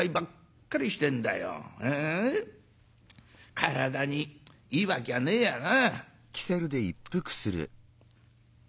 体にいいわきゃねえやな」。